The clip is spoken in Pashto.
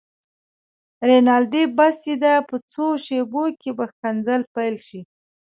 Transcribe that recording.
رینالډي: بس یې ده، په څو شېبو کې به ښکنځل پيل شي.